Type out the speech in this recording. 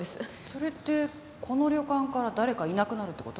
それってこの旅館から誰かいなくなるって事？